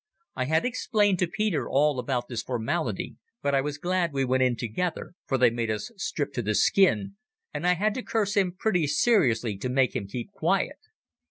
I had explained to Peter all about this formality, but I was glad we went in together, for they made us strip to the skin, and I had to curse him pretty seriously to make him keep quiet.